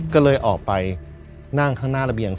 ก็เลยออกไปนั่งข้างหน้าระเบียง